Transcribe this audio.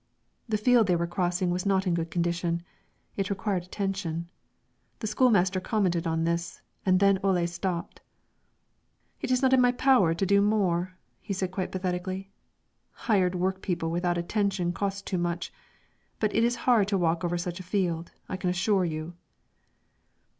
The field they were crossing was not in good condition; it required attention. The school master commented on this, and then Ole stopped. "It is not in my power to do more," said he, quite pathetically. "Hired work people without attention cost too much. But it is hard to walk over such a field, I can assure you."